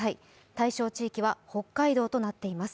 対象地域は北海道となっています。